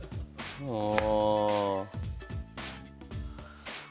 ああ。